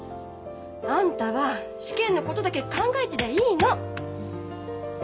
あんたは試験のことだけ考えてりゃいいの。